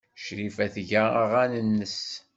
Crifa tga aɣan-nnes.